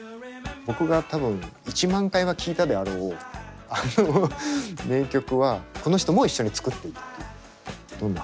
僕が多分１万回は聴いたであろうあの名曲はこの人も一緒に作っていたという。